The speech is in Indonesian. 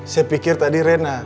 saya pikir tadi rena